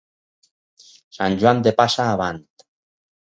Sant Joan de Passa avant.